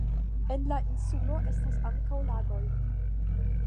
En la insulo estas ankaŭ lagoj.